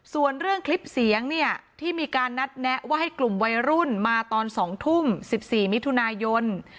ส่วนเรื่องคลิปเสียงเนี่ยที่มีการนัดแนะว่าให้กลุ่มวัยรุ่นมาตอน๒ทุ่ม๑๔มิถุนายน